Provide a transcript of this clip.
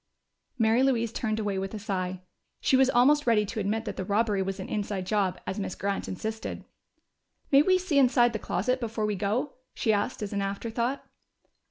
Mary Louise turned away with a sigh. She was almost ready to admit that the robbery was an inside job, as Miss Grant insisted. "May we see inside the closet before we go?" she asked as an afterthought.